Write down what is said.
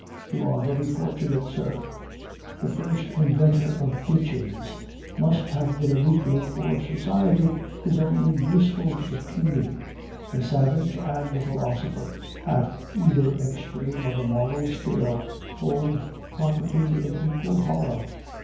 "You are very fortunate, sir " "The first inventor of ditches must have been a weakling, for society is only useful to the puny. The savage and the philosopher, at either extreme of the moral scale, hold property in equal horror."